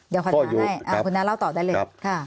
เดี๋ยวค่อยมาให้คุณน้าเล่าต่อได้เลย